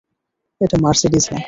এটা মার্সিডিজ না।